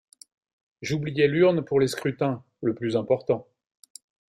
J’oubliais l’urne pour les scrutins… le plus important.